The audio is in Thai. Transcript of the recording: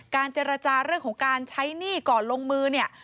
เจรจาเรื่องของการใช้หนี้ก่อนลงมือเนี่ย